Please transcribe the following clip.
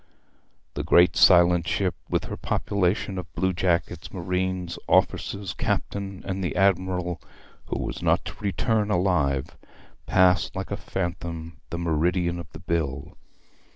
The great silent ship, with her population of blue jackets, marines, officers, captain, and the admiral who was not to return alive, passed like a phantom the meridian of the Bill.